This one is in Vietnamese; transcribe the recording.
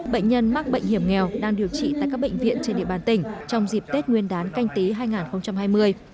bệnh nhân mắc bệnh hiểm nghèo đang điều trị tại các bệnh viện trên địa bàn tỉnh trong dịp tết nguyên đán canh tí hai nghìn hai mươi